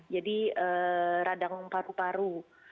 jadi radang paru paru